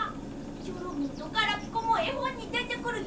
チョロミーとガラピコもえほんにでてくるよ。